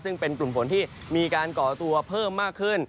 ซึ่งเป็นกลุ่มฝนที่มีการก่อตัวเพิ่มมากขึ้น